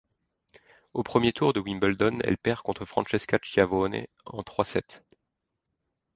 Au premier tour de Wimbledon, elle perd contre Francesca Schiavone en trois sets.